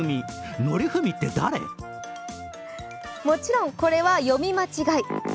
もちろんこれは読み間違い。